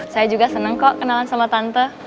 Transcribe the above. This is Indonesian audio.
saya juga senang kok kenalan sama tante